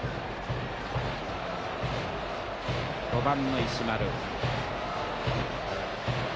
５番の石丸。